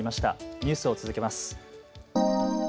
ニュースを続けます。